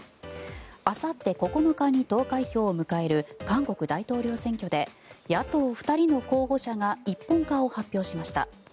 あさって９日に投開票を迎える韓国大統領選挙で野党２人の候補者が一本化を発表しました。